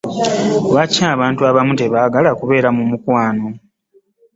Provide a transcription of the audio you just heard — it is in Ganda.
Lwaki abantu abamu tebagala kubeera mu mukwano?